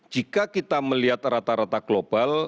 jika kita melihat rata rata global